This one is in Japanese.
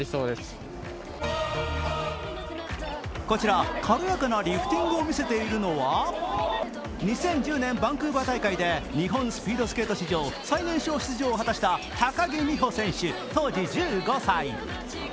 こちら、軽やかなリフティングを見せているのは２０１０年バンクーバー大会で日本スピードスケート史上最年少出場を果たした高木美帆選手、当時１５歳。